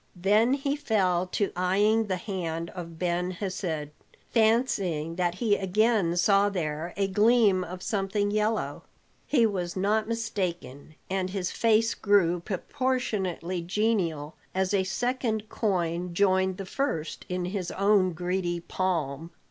Then he fell to eying the hand of Ben Hesed, fancying that he again saw there a gleam of something yellow. He was not mistaken; and his face grew proportionately genial as a second coin joined the first in his own greedy palm.